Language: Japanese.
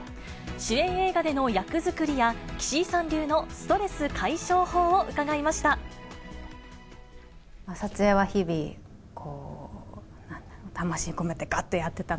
主演映画での役作りや岸井さん流のストレス解消法を伺いました。